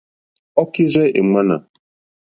Ɔ́ kírzɛ́ è ŋmánà.